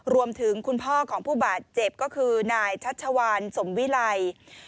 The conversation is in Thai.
คุณพ่อของผู้บาดเจ็บก็คือนายชัชวานสมวิไล